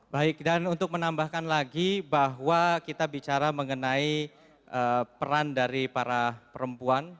baik dan untuk menambahkan lagi bahwa kita bicara mengenai peran dari para perempuan